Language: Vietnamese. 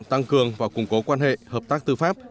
tăng cường và củng cố quan hệ hợp tác tư pháp